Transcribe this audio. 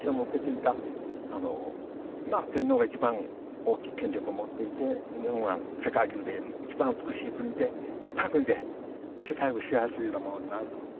天皇が一番大きい権力を持っていて日本は世界中で一番美しい国で立派な国で世界を支配するようなものになると。